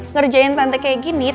ngerjain tante kayak gini